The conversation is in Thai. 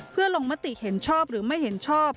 เพื่อลงมติเห็นชอบหรือไม่เห็นชอบ